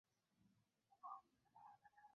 阿洛维尔。